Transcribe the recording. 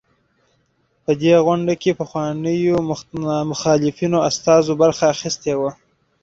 په دې غونډه کې پخوانيو مخالفینو استازو برخه اخیستې وه.